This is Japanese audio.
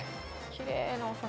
きれいなお札。